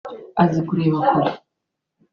azi kureba kure